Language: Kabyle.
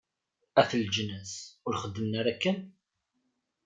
At leǧnas, ur xeddmen ara akken?